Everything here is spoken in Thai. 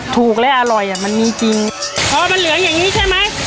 ถูกและอร่อยอ่ะมันมีจริงอ๋อมันเหลืองอย่างนี้ใช่ไหม